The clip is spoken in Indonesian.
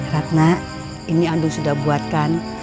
ratna ini andung sudah buatkan